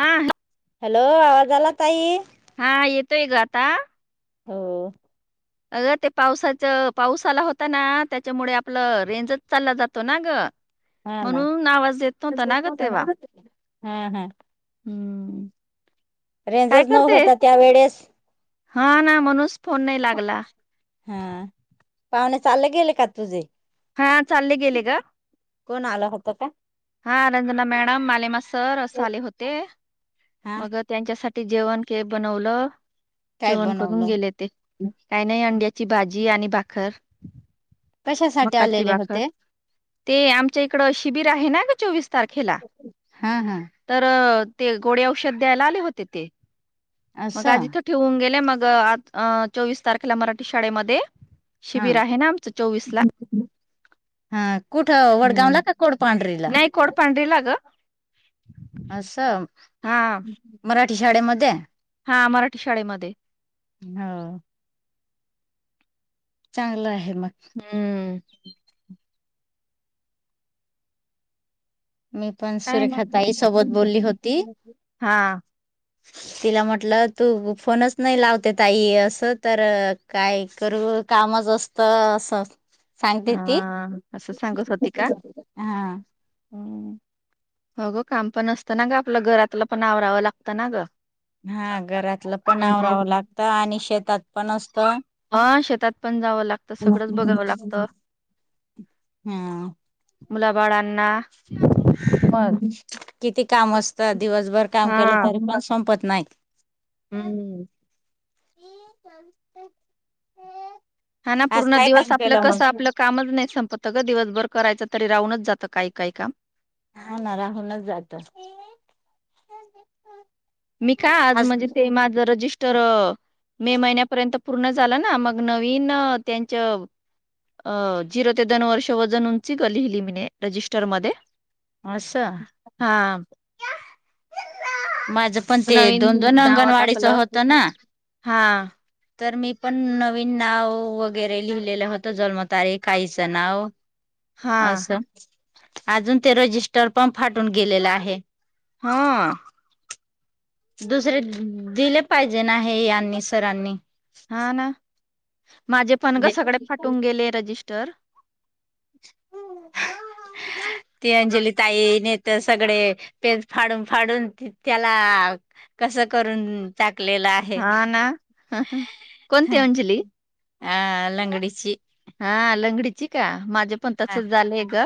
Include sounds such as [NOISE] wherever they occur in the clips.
हां हॅलो! आवाज आला ताई हा येतोय ग आता. हो अगं ते पावसाच पाऊस आला होता ना त्याच्यामुळे आपलं रेंजच चालला जातो ना ग. हा ना म्हणून आवाज येत नव्हत ना ग तेव्हा हा हा हं रेंजच न होता त्या वेळेस हा ना म्हणूनच फोन नाही लागला हा, पाहुणे चालले गेले का तुझे हा चालले गेले ग. कोण आलं होतं का हा रंजना मॅडम, मालेमा सर आले होते. हा मग त्यांच्यासाठी जेवण बनवलं काय जेवण करून बनवलं गेले ते काही नाही अंड्या ची भाजी आणि भाकर. कशासाठी मकाची आलेले भाकर होते ते आमच्या इकडं शिबिर आहे ना ग चोवीस तारखेला हा हा तर ते गोळे औषध द्यायला आले होते ते मग आज असं इथं ठेवून गेले मग आज चोवीस तारखेला मराठी शाळेमध्ये हा शिबिर आहे ना आमचं चोवीस ला हा कुठं हम्म. वडगावला का कोडपांढरीला नाही कोडपांढरीला ग असं हा मराठी शाळेमध्ये हा मराठी शाळेमध्ये हव चांगलं आहे मग हम्म. मी पण काय सुरेखा मग ताई सोबत बोलली होती. हा तिला म्हटलं तु फोनच नाही लावते ताई असं तर काय करू. कामच असत असं. सांगते ती हा असं सांगत हां. हं होग काम पण असतं ना ग आपलं घरातलं पण आवरावं लागतं ना ग हा घरातलं पण आवरावं हम्म. लागत आणि शेतात पण असतं. मग शेतात पण जावं लागतं सगळंच बघावं लागत. हं मुलाबाळांना- मग किती काम असतं दिवसभर काम केलं तरी मला संपत नाही. हम्मम [UNINTELLIGIBLE] हा ना आज पूर्ण काय दिवस काम आपलं केलं मग कसं आपलं कामच नाही संपत ग दिवसभर करायचं तरी राहूनच जातं काय काय काम हा ना राहूनच जात मी का आज म्हणजे ते माझ रजिस्टर मे महिन्यापर्यंत पूर्ण झालं ना मग नवीन त्यांच अ जिरो ते दोन वर्ष वजन उंची ग लिहिलीि मी रजिस्टर मध्ये असं हा माझ पण ते नवीन दोन दोन नाव अंगणवाडीच टाकलं होतं ना हा तर मी पण नवीन नाव वगैरे लिहिलेलं होतं जन्मतारी काईचं नाव हा असं अजून ते रजिस्टर पंप फाटून गेलेलं आहे हा दुसरे दिले पाहिजे नाही यांनी सरांनी हा ना माझे पण ग सगळे फाटून गेले रजिस्टर ह ती अंजली ताई नेत सगळे पे फाडून फाडून त्याला कसं करून टाकलेलं आहे हा ना कोणती ह अंजली आ लंगडीची हा लंगडीची का माझे पण ह तसच झालंय ग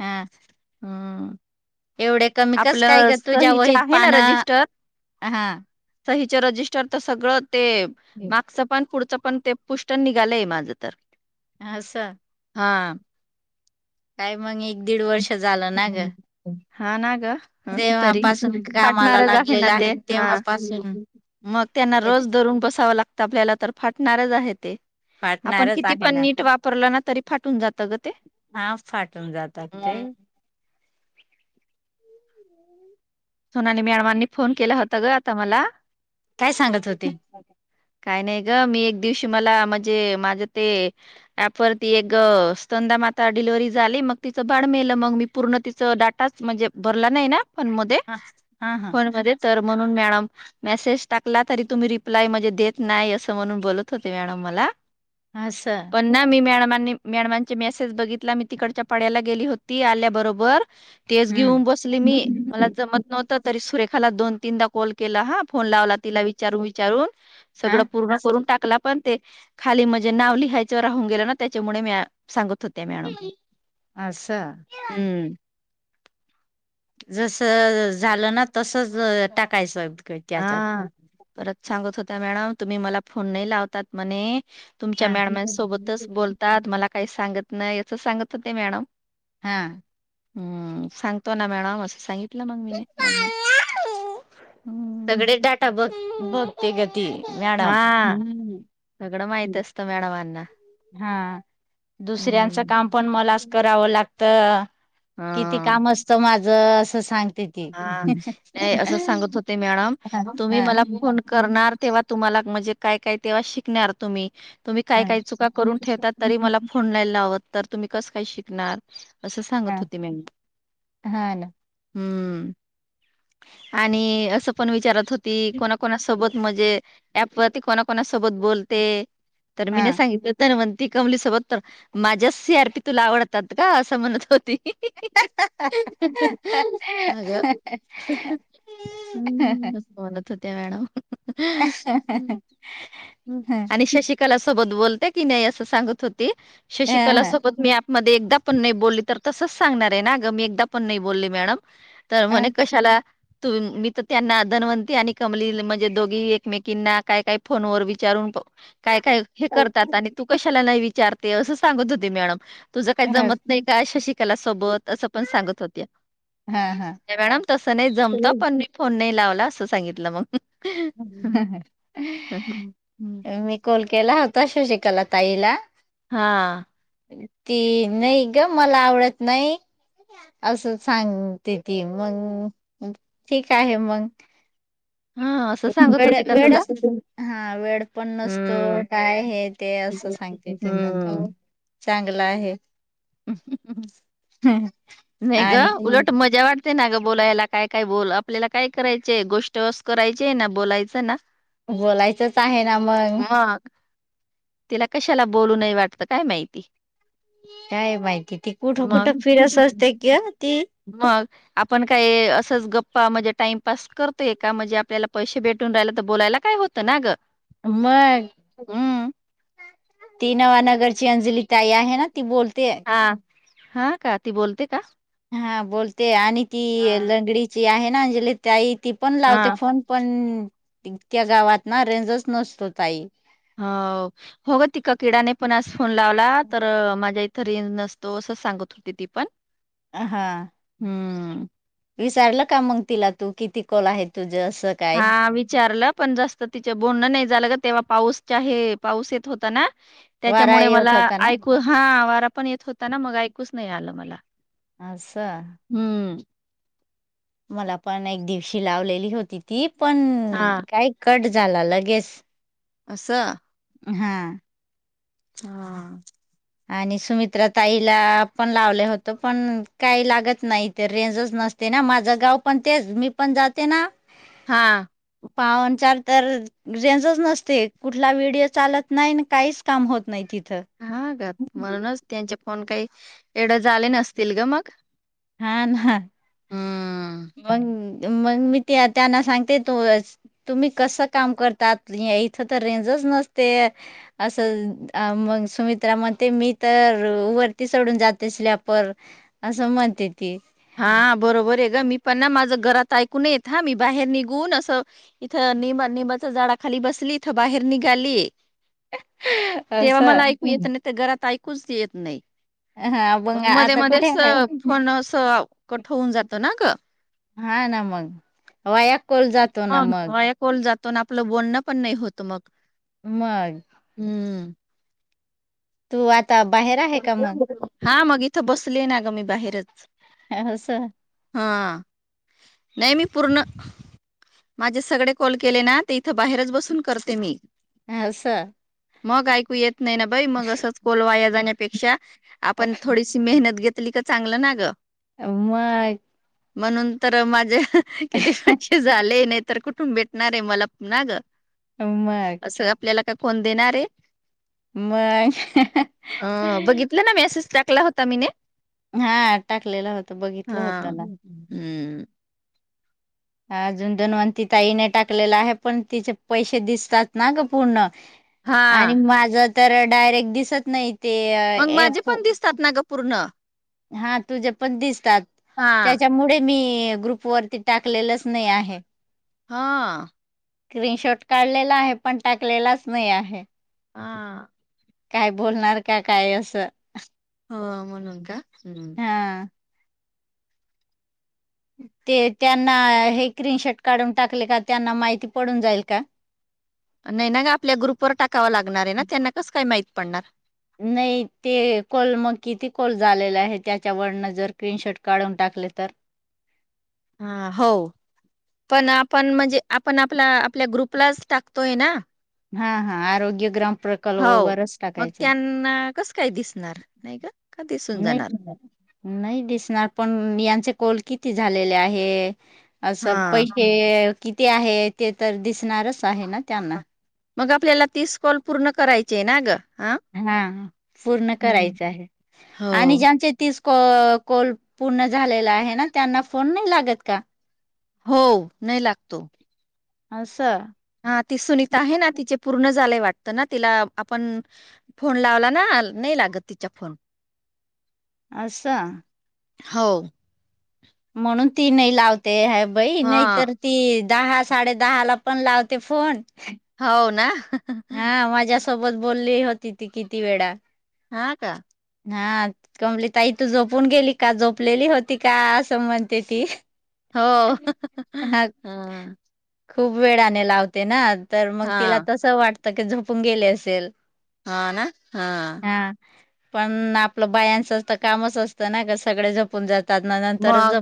हा हम् एवढे कमी कस काय आपलं ग तुझ्या सहीच वहीत आहे ना पानं रजिस्टर हा सहीच रजिस्टर तर सगळं ते मागच पान पुढच पण ते पुष्टण निघालंय माझं तर आ स हां काय मग एक दीड वर्ष झालं ना ग हा ना ग तरी तेव्हापासून कामाला फाटणारच आहे ना लागलेलं ते हा तेव्हापासून. मग त्यांना रोज धरून बसावं लागतं आपल्याला तर फाटणारच आहे ते आपण फाटणारच किती आहे पण ना नीट वापरलं ना तरी फाटून जात ग ते हा फाटून जातात ते हं, सोनाली मॅडमांनी फोन केला होता ग आता मला काय सांगत होते काय नाही ग मी एक दिवशी मला म्हणजे माझं ते ऍपवरती एक ंदा आता डिलीवरी झाली मग तिचं बाळ मेलं मग मी पूर्ण तिचं डाटाच म्हणजे भरला नाही ना फोन मध्ये ह हा हा फोन मध्ये तर म्हणून मॅडम मेसेज टाकला तरी तुम्ही रिप्लाय म्हणजे देत नाही असं म्हणून बोलत होते मॅडम मला असं पण मी मॅडमांचे मेसेज बघितला मी तिकडच्या पाड्याला गेली होती आल्याबरोबर तेच हम्म घेऊन बसले मी मला जमत नव्हत तरी सुरेखाला दोन तीनदा कॉल केला हा फोन लावला तिला विचारून विचारून हा सगळं पूर्ण करून टाकला पण ते खाली म्हणजे नाव लिहायचे राहून गेला ना त्याच्यामुळे मी सांगत तत मॅडम असं हम्म जस झालं ना तसच टाकायचं हा त्याच्यात परत सांगत होत्या मॅडम तुम्ही मला फोन नाही लावतात म्हणे तुमच्या हा मॅडमांसोबतच बोलतात मला काही सांगत नाही असं सांगत हो ते मॅडम हा हम्म, सांगतो ना मॅडम असं सांगितलं ना मी मॅडमना. सगळे डाटा बघ बघते ग ती मॅडम. हा सगळं माहित असतं मॅडमांना. हा,, दुसऱ्यांचं हम्म. काम पण मलाच करावं लागतं. किती हा काम असत माझं,, असं सांग. हा,, नाही असं सांगत होते मॅडम,, हा तुम्ही हा मला फोन करणार तेव्हाऽऽ तुम्हाला म्हजे काय काय तेव्हाच शिकणार तुम्ही,, तुम्ही काय हा काय चुका करून ठेवता तरी मलाऽऽ फोन नाई लावत तर तुम्ही कसं काय शिकणार असं सांगत होते मी मॅडमना,, हा ना हम्म. आणि अस पण विचारत होती,, कोणा कोणा सोबतऽऽ म्हणजे,, ऍपवरती कोणा कोणासोबत बोलते,,, तर मी नाई हा सांगितलं, धन्वंतऽऽ ती कमली सोबत तर,, माझ्याच सी, आर, पी तुला आवडतात का, असं म्हणत होती. हि, ही, ही, ह, ह, ह ह हम् बोलत होत्या मॅडम. आणिन श शिक,, कला सोबत बोलते की नाही असं सांगत होती,, श शिकला सोबत मी ॅअॅपमध्येऽऽ दा पण नाही बोलली तर तसच सांगणार आहे ना अ गं,, मी एकदा पण नाही बोलली मॅडम,, तर म्हणे ह कशाला. तु मी तर त्यांना धन्वंती आणि कमली म्हणजे दोघी एकमेकींना काय काय फोनवर विचारून काय काय हे करतात आणि तू कशाला नाही विचारते असं सांगत होते मॅडम.. तुझं काही ह. जमत नाही का,, शशिकाला सोबत,, असं पण सांगत होत्या. हा हा नाही मॅडम तसं नाही जमत पण मी फोन नाही लावला,, असं सांगितलं मग.. हं, हं. मी कॉल केला होताऽऽ तस शशिकला ताईलाऽऽ हाऽऽ ती नाई ग,, मला आवडत नाई. असं,, सांगते ती मग,, ठीक आहे मगं [UNINTELLIGIBLE] हां. असं सांगत वेळ, होती का तुला? हा, हा वेळ पण नसतो हं, काय हे ते असं सांगऽऽ चांगलं आहे.. हम्म्म, नाही ग आणि उलट मजा वाटते ना ग बोलायलाऽऽ काय काय बोल आपल्याला,, काय करायचय गोष्टस करायची आहे ना बोलायचं ना. बोलायचंच आहे ना मंग मग तिला कशाला बोलू नाही वाटतं काय माहिती. काय माहिती ती कुठं कुठं मग फिरत असते किअ ती. मग आपण काय असच गप्पा म्हणजे टाइम पास करतोय का,, म्हणजे आपल्याला पैसे भेटून राहिला तर बोलायऽऽ काय होतं ना गं. आ मऽऽऽ हं. ती नवानगरची अंजली ताई आहे ना ती बोलते. हाऽऽ का,, ती बोलते का. हा बोलते, आणि ती हां, लंगडीची आहे ना अजंली ताईऽऽ ती पण हां. लावते फोन पणऽऽ त्या गावात नाऽ रेंजच नसतो ताई. हो, हो ग तिक किडाने पण आज फोन लावला तर माझ्याऽऽऽ तरी नसतो असं सांगत होती ती पण. ह हा हम्म विचारलं का मग तिला तू किती कॉल आहे तुजे असं. काय हा विचारलं पण जास्त तिच बोलणं नाही झालं ग तेव्हा पाऊसऽऽऽ पाऊस येत होता ना वारा त्याच्यामुळे येत मला होता ना ऐकू हाऽऽ वारा पण येत होता ना मग ऐकूच नाही आलं मला. आसं हम्म. मला पण एक दिवशी लावलेली होती ती पण हां, काय कट झाला लगेच असा हा हा आणि सुमित्रा ताईला पण लावले होत पण काही लागत नाही ते रेंजच नसतं ना माझं गाव पण तेच मी पण जाते ना हा पावन चार तर रेंजच नसते, कुठला व्हिडिओ चालत नाही, न काहीच काम होत नाही तिथे हा बग म्हणूनच त्यांचे फोन काही एवढ झाले नसतील ग मग हा ना हम्म. मंग मग मी ते त्यांना सांगते त तुम्ही कसं काम करतात?.. इथं तर रेंजच नसते अस मग सुमित्रा म्हणते मी तर वरती चढून जाते स्लॅपवर अस म्हण हा बरोबर आहे ग मी पण ना माझ घरात ऐकून येत नाही मी बाहेर निघून असं इथं निंबा निंबाचे झाडा खाली बसली इथं बाहेर निघा आली तेव्हा असं मला ऐकू येत नाही तर घरात ऐकूच येत नाही हा मग मध्ये आता मध्ये कुठे अस आहे? फोन अस कट होऊन जात ना ग हा ना मग वाया कॉल जातो ना मग वाया कॉल जातो आपलं बोलणं पण नाही होत मग मग हं. तू आता बाहेर आहे का मग हा मग इथं बसले ना, ग मी बाहेरच अस हां. नाही मी पूर्ण माझे सगळे कॉल केले ना ते इथं बाहेरच बसून करते मी ह अस मग ऐकू येत नाही ना बाई, मग असंच कॉल वाया जाण्यापेक्षा आपण थोडीशी मेहनत घेत ली की चांगलं ना ग आ मग म्हणून तर माझे किती पैशे झाले नाही तर कुठून भेटणार आहे मला ना ग मग, असं आपल्याला का कोण देणार आहे? मग अ बघितलं ना मेसेज टाकला होता मीेने हा टाकलेलं होतं बघितलं होतं ना [UNINTELLIGIBLE] अजून धन्वंती ताईने टाकलेला आहे पण तिचे पैसे दिसतात ना ग पूर्ण हा आणि माझ तर डायरेक्ट दिसत नाही ते मग माझे पण दिसतात ना ग पूर्ण हा तुझ्या पण दिसतात. हा त्याच्यामुळे मी ग्रुप वरती टाकलेलंच नाही आहे हा स्क्रीनशॉट काढलेला आहे पण टाकलेलाच नाही आहे हा काय बोलणार का काय असं हो म्हणून का.. ह हां. [UNINTELLIGIBLE] ते त्यांना हे स्क्रीनशॉट काढून टाकले का त्यांना माहिती पडून जाईल का? नाही ना ग आपल्या ग्रुपवर टाकावंलागणार आहे, ना त्यांना कस काय माहित पडणार? नाही ते कॉल मग किती कॉल झालेला आहे? त्याच्यावरन जर स्क्रीनशॉट काढून टाक लेतार हा हो पण आपण म्हणजे आपण आपला आपल्या ग्रुपलाच टाकतोय ना हा हा आरोग्य ग्राम प्रकल्प व हो वरचं मग टाकायचं त्यांना कसं काय दिसणार नाही का का दिसून नाही जाणार [INAUDIBLE] नाही दिसणार पण यांचे कोल किती झालेले आहेएए असं हा पैसेएए किती आहे ते तर दिसणारचं आहे ना त्यांना मग आपल्याला तीस कॉल पूर्ण करायचेचें ना गं हाआअ पूर्ण करायचं आहे हो आणि ज्याचें तीस कॉल पूर्ण झालेला आहे ना त्यांना फोन नाही लागत का हो नाही लागतो अससा हा ती सुनीता हाय ना तिचे पूर्ण लय वाटत ना तिला आपन फोन लावला ना नही लागत तिच्या फोन आसंसा होओओ म्हणून ती नही लावते ह बाई हा नाही तर ती दहा साडे दहा ला पण लावते फोन हवू ना हा माझ्यासोबत बोलली होती ती किती वेळा हा का हा कमली ताई तू झोपून गेली का जोपलेली होती का असं म्हणते ती होओ हंहं हा हंह खूप वेळाने लावते ना तर मग तिला हा तसं वाटत की झोपून गेले असेल हा ना हा प ण आपलं बायांचं तर कामच असतं ना का सगळे झोपून जात म गं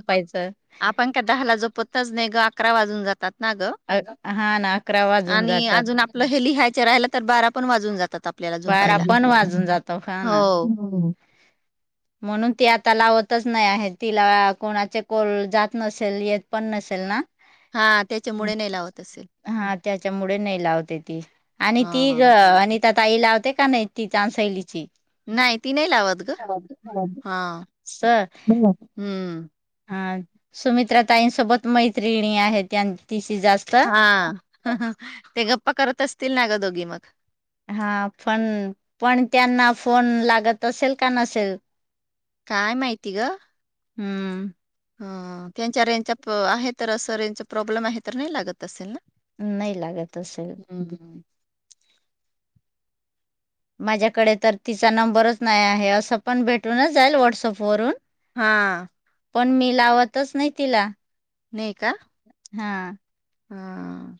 आपण का दहाला झोपतच नाही गं अकरा वाजून जातात ना गं अ- हा ना अकरा वाजून आणि जातात अजून आपलं हे लिहायचे राहिला तर बारा पण वाजून जातात आप बारा पण वाजून जातो हा ना हो म्हणून ती ती आता लावतच नाही आहे तिला कोणाचे कोल जात नसेल येत पण नसेल ना हा त्याच्यामुळे नाही लावत असेल हा त्याच्यामुळे नाही लावते ती आणि ती हा आणि तात ताई लावते का नाही ती चानसैलीची नाही ती नाही लावत गं हा हम्म हा सुमित्रा ताईंसोबत मैत्रिणी आहेत त्या हा हं हं ते गप्पा करत असतील ना गं दोघी मग हा पण पण त्यांना फोन लागत असेल का नसेल का य माहिती गं हम्म ह त्यांच्या रेंजचा आहे तर असं रेंजचा प्रॉब्लेम आहे तर नाही लागत असेल ना नाही लागत असेल हम्म. माझ्याकडे तर तिचा नंबरच नाही आहे असं पण भेटूनच जाईल व्हॉट्सअपवरून हा पण मी लावतच नाही तिला हा हाआआ